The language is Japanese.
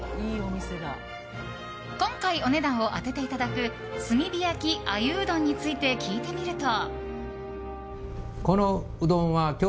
今回、お値段を当てていただく炭火焼鮎うどんについて聞いてみると。